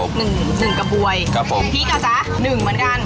พีชก็จะ๑เหมือนกัน